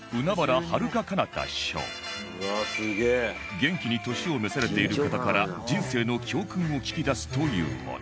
元気に年を召されている方から人生の教訓を聞き出すというもの